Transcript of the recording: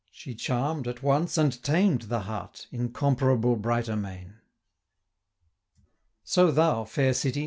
She charm'd, at once, and tamed the heart, Incomparable Britomane! So thou, fair City!